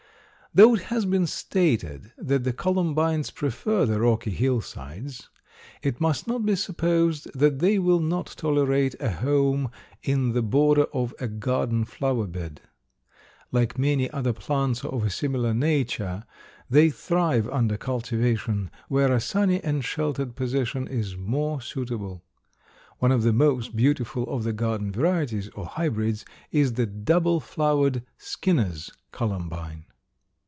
Though it has been stated that the Columbines prefer the rocky hillsides, it must not be supposed that they will not tolerate a home in the border of a garden flower bed. Like many other plants of a similar nature, they thrive under cultivation, where a sunny and sheltered position is more suitable. One of the most beautiful of the garden varieties, or hybrids, is the double flowered Skinner's Columbine.